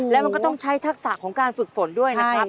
แล้วมันก็ต้องใช้ทักษะของการฝึกฝนด้วยนะครับ